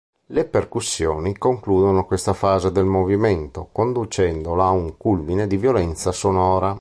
Le percussioni concludono questa fase del movimento conducendola a un culmine di violenza sonora.